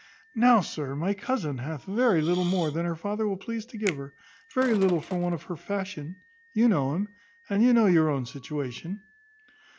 Now, sir, my cousin hath very little more than her father will please to give her; very little for one of her fashion you know him, and you know your own situation."